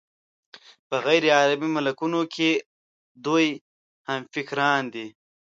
په غیرعربي ملکونو کې د دوی همفکران دي.